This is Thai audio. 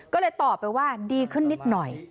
ก็เลยตอบไปว่าดีขึ้นนิดหน่อย